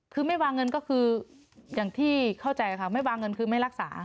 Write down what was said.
คือไม่วางเงินก็คืออย่างที่เข้าใจค่ะไม่วางเงินคือไม่รักษา